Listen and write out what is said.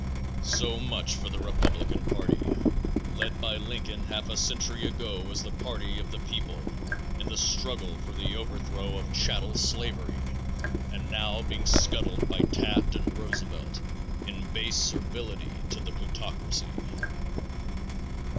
So much for the Republican party, led by Lincoln half a century ago as the party of the people in the struggle for the overthrow of chattel slavery, and now being scuttled by Taft and Roosevelt in base servility to the plutocracy.